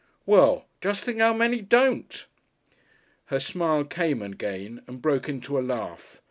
"Well, just think how many don't!" Her smile came again, and broke into a laugh.